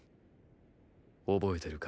覚えてるか？